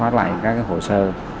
và xóa lại các hồ sơ